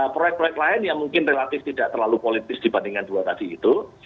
proyek proyek lain yang mungkin relatif tidak terlalu politis dibandingkan dua tadi itu